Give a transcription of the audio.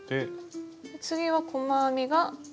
次は細編みが。